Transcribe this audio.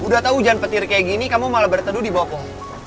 udah tau hujan petir kayak gini kamu malah berteduh di bawah koh